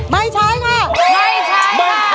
ไม่ใช้ค่ะไม่ใช้